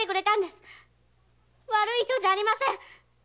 悪い人じゃありません！